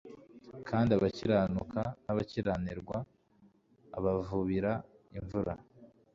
kandi abakiranuka n'abakiranirwa abavubira imvura.»